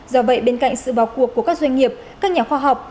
do vậy bên cạnh sự vào cuộc của các doanh nghiệp các nhà khoa học